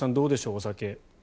お酒。